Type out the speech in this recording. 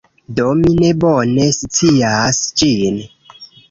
Do, mi ne bone scias ĝin